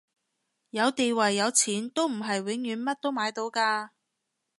有地位有錢都唔係永遠乜都買到㗎